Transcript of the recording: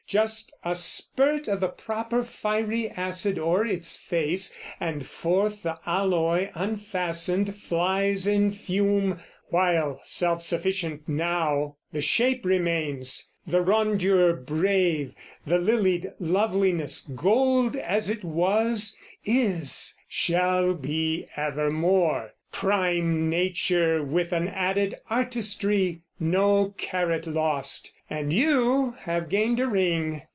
Just a spirt O' the proper fiery acid o'er its face, And forth the alloy unfastened flies in fume; While, self sufficient now, the shape remains, The rondure brave, the lilied loveliness, Gold as it was, is, shall be evermore: Prime nature with an added artistry No carat lost, and you have gained a ring.